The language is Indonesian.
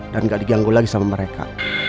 dan nggak diganggu lagi sama mereka